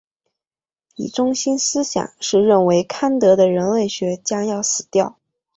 其中心思想是认为康德的人类学将要死掉。